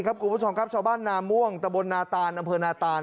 คุณผู้ชมครับชาวบ้านนาม่วงตะบนนาตานอำเภอนาตาน